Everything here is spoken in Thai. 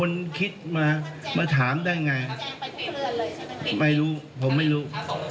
ได้งั้งในน่ามาใครไม่รู้